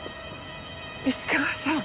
石川さん